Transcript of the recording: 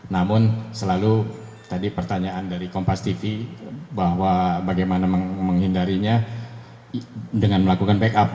namun selalu tadi pertanyaan dari kompas tv bahwa bagaimana menghindarinya dengan melakukan backup